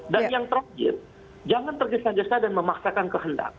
dan yang terakhir jangan tergesa gesa dan memaksakan kehendak